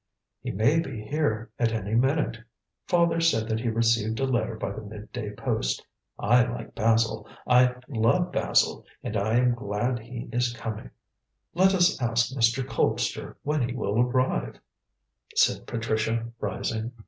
"He may be here at any minute. Father said that he received a letter by the mid day post. I like Basil; I love Basil, and I am glad he is coming." "Let us ask Mr. Colpster when he will arrive," said Patricia, rising.